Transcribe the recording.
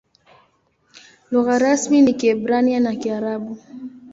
Lugha rasmi ni Kiebrania na Kiarabu.